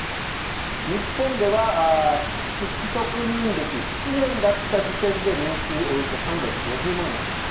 日本では寿司職人歴７年だった時点で年収およそ３５０万円だった。